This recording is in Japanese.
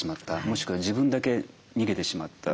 もしくは自分だけ逃げてしまった。